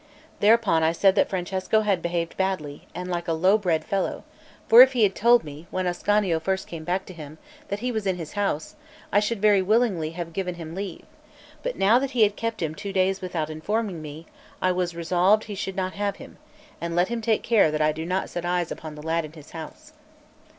Thereupon I said that Francesco had behaved badly, and like a low bred fellow; for if he had told me, when Ascanio first came back to him, that he was in his house, I should very willingly have given him leave; but now that he had kept him two days without informing me, I was resolved he should not have him; and let him take care that I do not set eyes upon the lad in his house.